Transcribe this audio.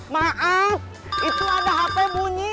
maaf itu ada hp bunyi